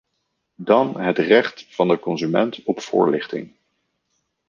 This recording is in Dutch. Dan het recht van de consument op voorlichting.